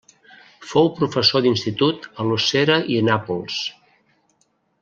Fou professor d'institut a Lucera i Nàpols.